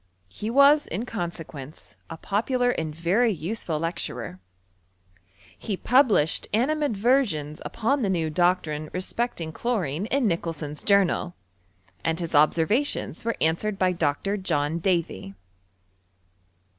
He was, in consequence, a popular and very useful lecturer. He published animadversions upon the new doctrine Inspecting chlorine, in Nicholson*s Journal ; and bis observations were answered by Dr. John Davy.